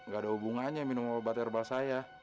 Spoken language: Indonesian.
gak ada hubungannya minum obat herba saya